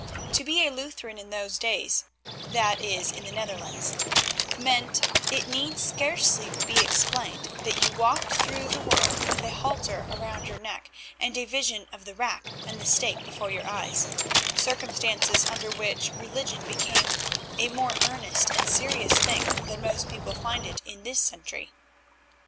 To be a Lutheran in those days, that is in the Netherlands, meant, it need scarcely be explained, that you walked the world with a halter round your neck and a vision of the rack and the stake before your eyes; circumstances under which religion became a more earnest and serious thing than most people find it in this century.